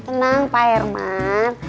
tenang pak herman